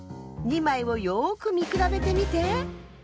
２まいをよくみくらべてみて。